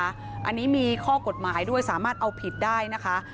อันนี้มีข้อกฎหมายด้วยสามารถเอาผิดได้นะคะ